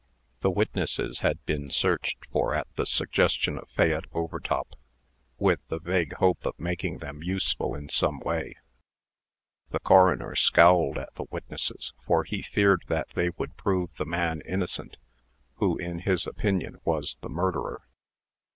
The witnesses had been searched for at the suggestion of Fayette Overtop, with the vague hope of making them useful in some way. The coroner scowled at the witnesses, for he feared that they would prove the man innocent, who, in his opinion, was the murderer.